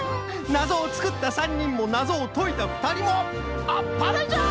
なぞをつくった３にんもなぞをといたふたりもあっぱれじゃ！